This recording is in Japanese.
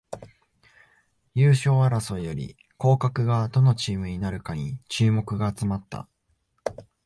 優勝争いより降格がどのチームになるかに注目が集まった